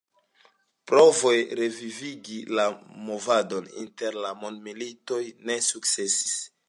Provoj revivigi la movadon inter la Mondmilitoj ne sukcesis.